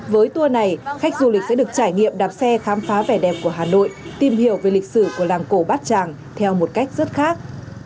với tour này khách du lịch sẽ được trải nghiệm đạp xe khám phá vẻ đẹp của hà nội tìm hiểu về lịch sử của làng cổ bát tràng theo một cách rất khác